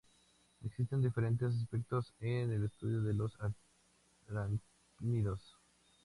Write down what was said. Existen diferentes aspectos en el estudio de los arácnidos.